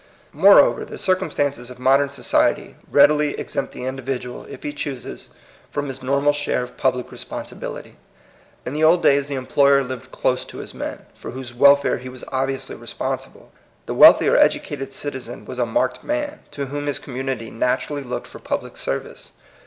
Moreover, the circumstances of modem society readily exempt the individual, if he chooses, from his normal share of public responsibility. In the old days the em ployer lived close to his men, for whose welfare he was obviously responsible. The wealthy or educated citizen was a marked man, to whom his community naturall}' looked for public service.